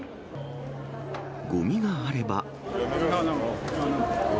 ごみがあれば。